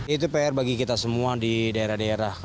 itu pr bagi kita semua di daerah daerah